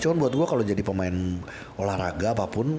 cuman buat gue kalo jadi pemain olahraga apapun